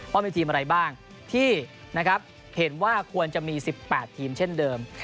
ว่ามีทีมอะไรบ้างที่นะครับเห็นว่าควรจะมี๑๘ทีมเช่นเดิม